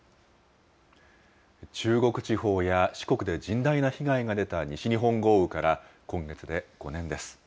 中国地方や四国で甚大な被害が出た西日本豪雨から今月で５年です。